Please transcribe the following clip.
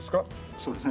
そうですね。